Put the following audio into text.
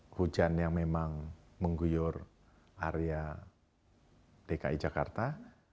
hujan yang memang mengguyur area dki jakarta